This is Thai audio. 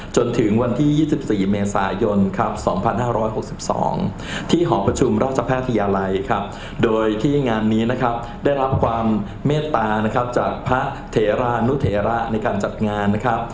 จนถึงวันที่๒๔เมษายนครับ๒๕๖๒ที่หอประชุมราชแพทยาลัยครับโดยที่งานนี้นะครับได้รับความเมตตานะครับจากพระเทรานุเทระในการจัดงานนะครับ